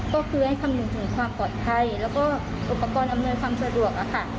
ก็เขาเพิ่มถึงสู่ความปลอดภัยและก็อุปกรณ์ความสะดวกนะคะ